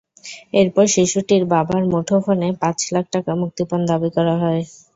এরপর শিশুটির বাবার মুঠোফোনে পাঁচ লাখ টাকা মুক্তিপণ দাবি করা হয়।